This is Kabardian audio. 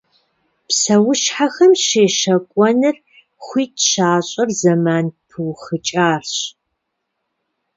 Псэущхьэхэм щещэкӀуэныр хуит щащӀыр зэман пыухыкӀарщ.